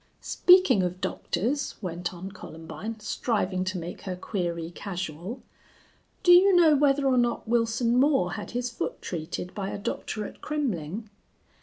"Speaking of doctors," went on Columbine, striving to make her query casual, "do you know whether or not Wilson Moore had his foot treated by a doctor at Kremmling?"